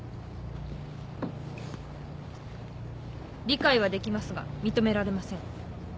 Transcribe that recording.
理解はできますが認められません。